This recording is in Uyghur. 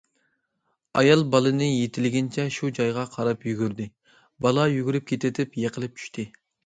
ئايال بالىنى يېتىلىگىنىچە شۇ جايغا قاراپ يۈگۈردى، بالا يۈگۈرۈپ كېتىۋېتىپ يىقىلىپ چۈشتى.